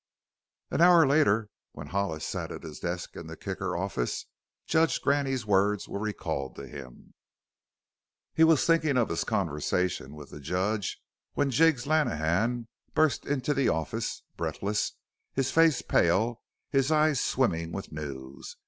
An hour later, when Hollis sat at his desk in the Kicker office, Judge Graney's words were recalled to him. He was thinking of his conversation with the Judge when Jiggs Lenehan burst into the office, breathless, his face pale and his eyes swimming with news.